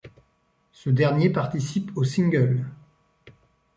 Ce dernier participe au single '.